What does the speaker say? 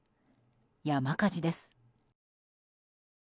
山火事です。